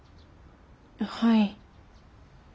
はい。